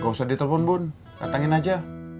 nggak usah ditelepon bun datangin aja